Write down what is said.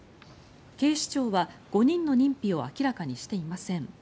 警視庁は５人の認否を明らかにしていません。